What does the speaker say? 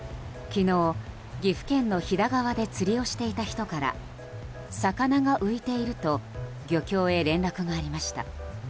昨日、岐阜県の飛騨川で釣りをしていた人から魚が浮いていると漁協へ連絡がありました。